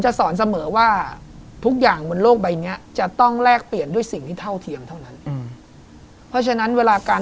แล้วต้องอย่างเนี่ยทุกเดือน